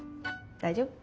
大丈夫。